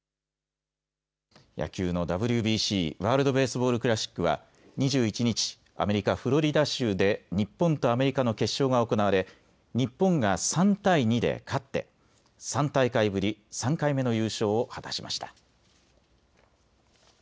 野球のＷＢＣ・ワールド・ベースボール・クラシックは２１日、アメリカ・フロリダ州で日本とアメリカの決勝が行われ日本が３対２で勝って３大会ぶり３回目の優勝を果たしました。